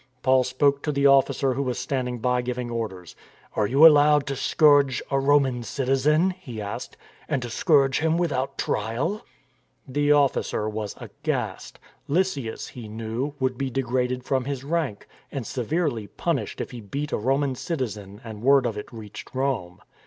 Paul spoke to the officer who was standing by giving orders. " Are you, allowed to scourge a Roman citizen," he asked, and to scourge him without trial ?" The officer was aghast. Lysias, he knew, would be degraded from his rank, and severely punished if he beat a Roman citizen and word of it reached Rome.